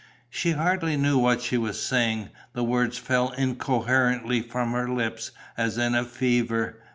She hardly knew what she was saying. The words fell incoherently from her lips, as in a fever.